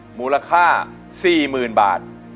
หมู่ราคา๔๐๐๐๐บาท